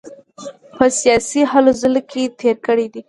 په سیاسي هلو ځلو کې تېر کړی دی.